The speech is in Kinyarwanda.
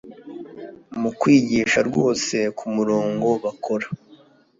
mu kwigisha rwose kumurongo bakora